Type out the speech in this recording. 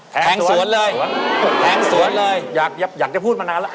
แท้งสวนเลยแท้งสวนเลยอยากจะพูดมานานละ